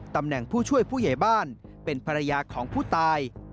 ตำแหน่งผู้ช่วยผู้ใหญ่บ้านเป็นภรรยาของผู้ตาย